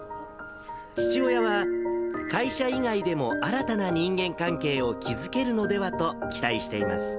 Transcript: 父親は会社以外でも新たな人間関係を築けるのではと期待しています。